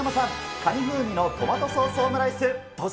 カニ風味のトマトソースオムライス、どうぞ。